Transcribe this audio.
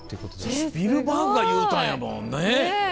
スピルバーグが言うたんやもんね。ねぇ。